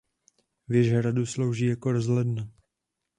Věž hradu slouží jako rozhledna.